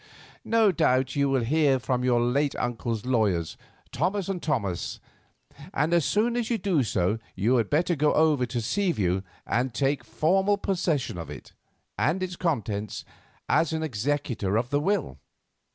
No doubt you will hear from your late uncle's lawyers, Thomas and Thomas, and as soon as you do so you had better go over to Seaview and take formal possession of it and its contents as an executor of the will.